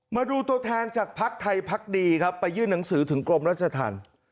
มาดูตัวแทนจากภักดิ์ไทยพักดีครับไปยื่นหนังสือถึงกรมรัชธรรม